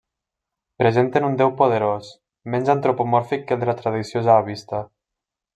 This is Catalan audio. Presenten un Déu poderós, menys antropomòrfic que el de la tradició jahvista.